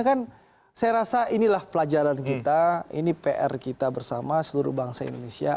kan saya rasa inilah pelajaran kita ini pr kita bersama seluruh bangsa indonesia